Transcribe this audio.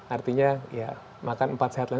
artinya makan empat sehat lalu